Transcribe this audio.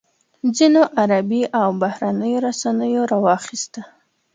ځینو عربي او بهرنیو رسنیو راواخیسته.